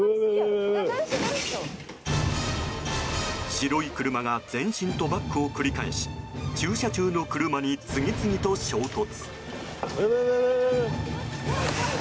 白い車が前進とバックを繰り返し駐車中の車に次々と衝突。